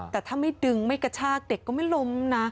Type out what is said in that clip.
แต่ถ้าไม่ดึงไม่กระชากเด็กก็ไม่ล้มนะ